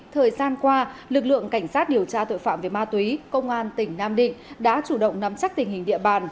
thời gian qua lực lượng cảnh sát điều tra tội phạm về ma túy công an tỉnh nam định đã chủ động nắm chắc tình hình địa bàn